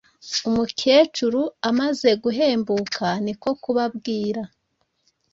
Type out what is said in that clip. umukecuru amaze guhembuka ni ko kubabwira